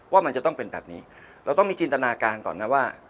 ว่ามันจะต้องเป็นแบบนี้เราต้องมีจินตนาการก่อนนะว่า